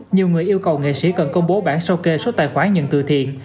nhiều người yêu cầu nghệ sĩ cần công bố bản sao kê số tài khoản nhận từ thiện